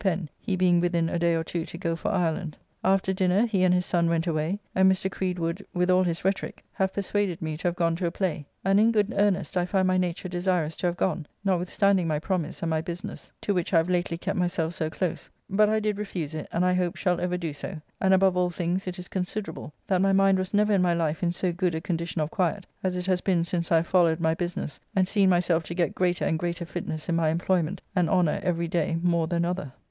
Pen, he being within a day or two to go for Ireland. After dinner he and his son went away, and Mr. Creed would, with all his rhetoric, have persuaded me to have gone to a play; and in good earnest I find my nature desirous to have gone, notwithstanding my promise and my business, to which I have lately kept myself so close, but I did refuse it, and I hope shall ever do so, and above all things it is considerable that my mind was never in my life in so good a condition of quiet as it has been since I have followed my business and seen myself to get greater and greater fitness in my employment, and honour every day more than other.